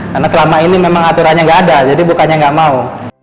karena selama ini memang aturannya gak ada jadi bukannya gak mau